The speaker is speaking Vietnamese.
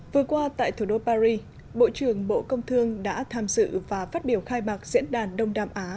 vừa qua tại thủ đô paris bộ trưởng bộ công thương đã tham dự và phát biểu khai mạc diễn đàn đông nam á